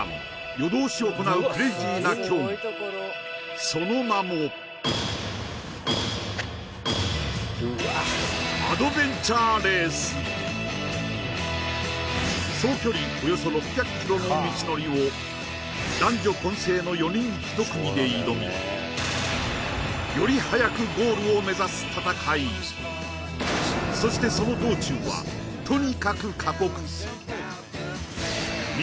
夜どおし行うクレイジーな競技その名も総距離およそ６００ｋｍの道のりを男女混成の４人１組で挑みより速くゴールを目指す戦いそしてその道中はとにかく過酷道